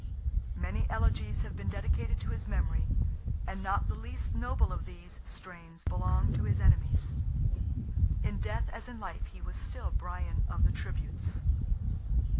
Many elegies have been dedicated to his memory, and not the least noble of these strains belong to his enemies. In death as in life he was still Brian "of the tributes."